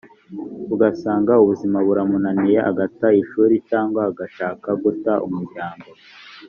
ugasanga ubuzima buramunaniye agata ishuri cyangwa agashaka guta umuryango